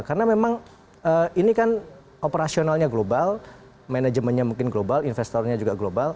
karena memang ini kan operasionalnya global manajemennya mungkin global investornya juga global